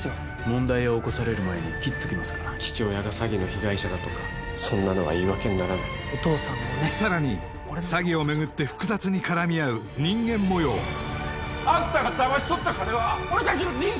問題を起こされる前に切っときますか父親が詐欺の被害者だとかそんなのは言い訳にならないさらに詐欺を巡って複雑に絡み合う人間模様あんたがダマし取った金は俺達の人生なんだよ